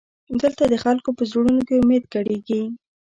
دلته د خلکو په زړونو کې امید ګډېږي.